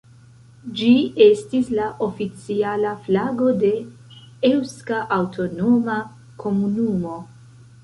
Ĝi estis la oficiala flago de Eŭska Aŭtonoma Komunumo.